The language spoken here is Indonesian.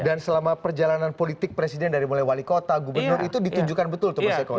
dan selama perjalanan politik presiden dari mulai wali kota gubernur itu ditunjukkan betul tuh mas eko ya